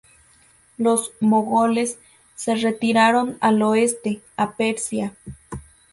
Los ‘mogoles’ se retiraron al oeste, a Persia.